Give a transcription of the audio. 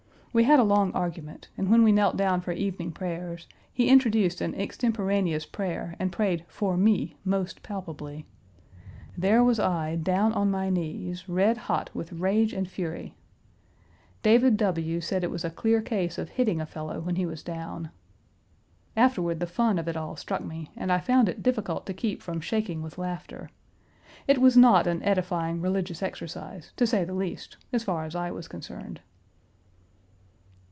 We had a long argument, and when we knelt down for evening prayers, he introduced an extemporaneous prayer and prayed for me most palpably. There was I down on my knees, red hot with rage and fury. David W. said it was a clear case of hitting a fellow when he was down. Afterward the fun of it all struck me, and I found it difficult to keep from shaking with laughter. It was not an edifying religious exercise, to say the least, as far as I was concerned.